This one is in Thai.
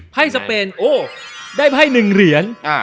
ไภสเปนโอ้ได้ไภหนึ่งเหรียญ